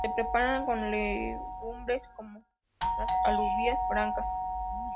Se preparan con legumbres como las alubias blancas.